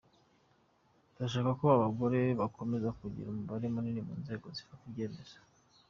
Turashaka ko abagore bakomeza kugira umubare munini mu nzego zifata ibyemezo.